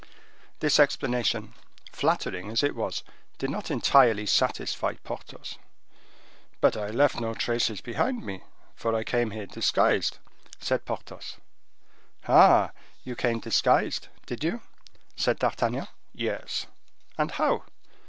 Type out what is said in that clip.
This explanation, flattering as it was, did not entirely satisfy Porthos. "But I left no traces behind me, for I came here disguised," said Porthos. "Ah! You came disguised did you?" said D'Artagnan. "Yes." "And how?"